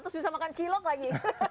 terus bisa makan cilok lagi